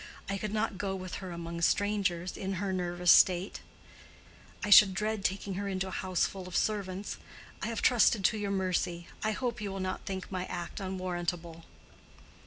I could not go with her among strangers, and in her nervous state I should dread taking her into a house full of servants. I have trusted to your mercy. I hope you will not think my act unwarrantable."